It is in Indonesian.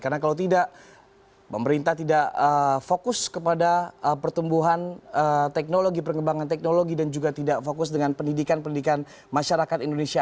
karena kalau tidak pemerintah tidak fokus kepada pertumbuhan teknologi perkembangan teknologi dan juga tidak fokus dengan pendidikan pendidikan masyarakat indonesia